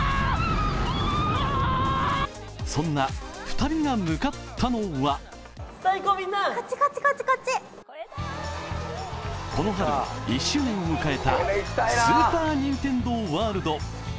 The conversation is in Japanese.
そんな２人が向かったのはこの春１周年を迎えたスーパー・ニンテンドー・ワールド。